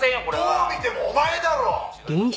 「どう見てもお前だろ！」「違います」